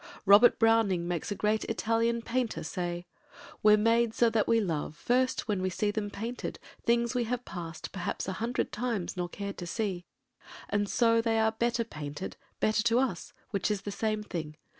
Robert Browning makes a great Italian painter say— We're made so that we love First when we see them painted, things we have passed Perhaps a hundred times nor cared to see; And so they are better painted—better to us, Which is the same thing.